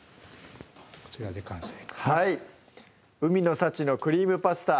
「海の幸のクリームパスタ」